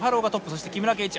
そして木村敬一。